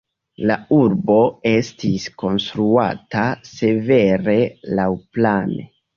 La urbo estis konstruata severe laŭplane.